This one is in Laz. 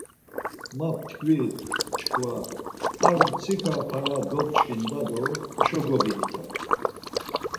Ma ptkvi çkva Ar mtsika para dop̌ç̌ǩinda do heşo gobiktat.